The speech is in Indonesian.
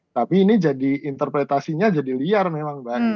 tapi ini jadi interpretasinya jadi liar memang mbak